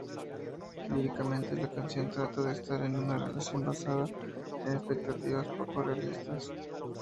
Líricamente, la canción trata de estar en una relación basada en expectativas poco realistas.